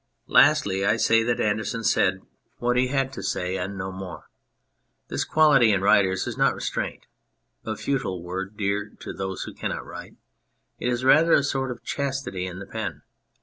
Lastly, I say that Andersen said what he had to 151 On Anything say and no more. This quality in writers is not restraint a futile word dear to those who cannot write it is rather a sort of chastity in the pen.